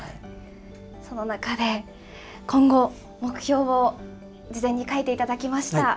その中で、今後、目標を事前に書いていただきました。